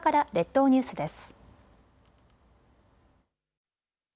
列島ニュースです。